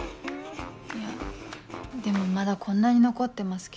いやでもまだこんなに残ってますけど。